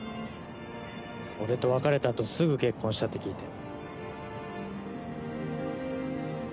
俺と別れたあとすぐ結婚したって聞いて。